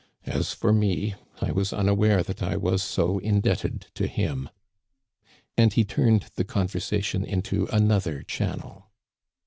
As for me, I was unaware that I was so indebted to him." And he turned the conversation into another channel.